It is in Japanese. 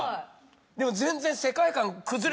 でも全然。